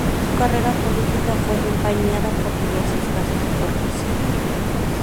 Su carrera política fue empañada por diversos casos de corrupción.